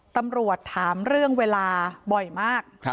ตำรวจถามเรื่องเวลาบ่อยมาก